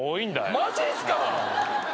マジっすか！？